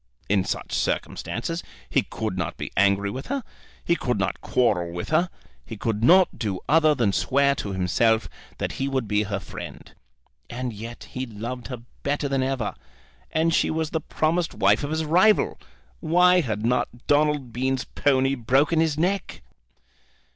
In such circumstances he could not be angry with her, he could not quarrel with her; he could not do other than swear to himself that he would be her friend. And yet he loved her better than ever; and she was the promised wife of his rival! Why had not Donald Bean's pony broken his neck?